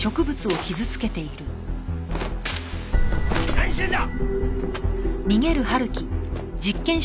何してんだ！？